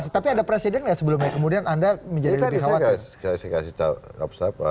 tapi ada presiden nggak sebelumnya kemudian anda menjadi lebih khawatir